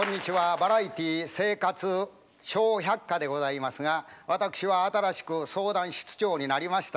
「バラエティー生活笑百科」でございますが私は新しく相談室長になりました